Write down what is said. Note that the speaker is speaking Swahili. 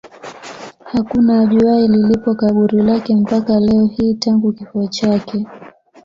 Hakuna ajuaye lilipo kaburi lake mpaka leo hii tangu kifo chake